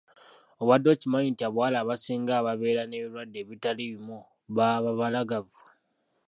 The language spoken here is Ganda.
Obadde okimanyi nti abawala abasinga ababeera n'ebirwadde ebitali bimu baba babalagavu?